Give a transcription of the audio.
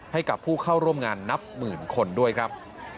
ให้กับผู้เข้าร่วมงานนับหมื่นคนด้วยครับ